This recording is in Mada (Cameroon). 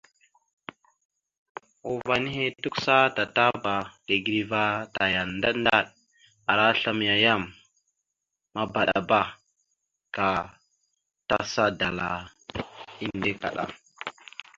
Uvah nehe tukəsa tatapa tigəreva taya ndaɗ ndaɗ ara aslam ana yam mabaɗaba ka tasa dala enne kaɗa.